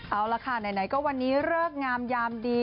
เอาล่ะค่ะไหนก็วันนี้เลิกงามยามดี